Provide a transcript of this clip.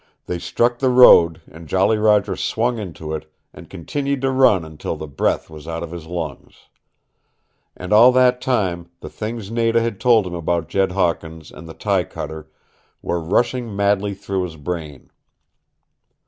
They struck the road, and Jolly Roger swung into it, and continued to run until the breath was out of his lungs. And all that time the things Nada had told him about Jed Hawkins and the tie cutter were rushing madly through his brain.